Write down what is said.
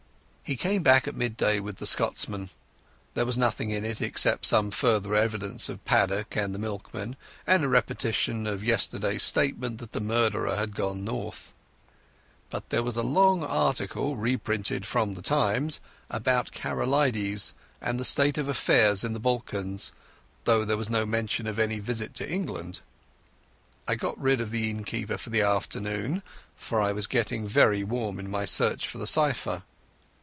He came back at midday with the Scotsman. There was nothing in it, except some further evidence of Paddock and the milkman, and a repetition of yesterday's statement that the murderer had gone North. But there was a long article, reprinted from the Times, about Karolides and the state of affairs in the Balkans, though there was no mention of any visit to England. I got rid of the innkeeper for the afternoon, for I was getting very warm in my search for the cypher.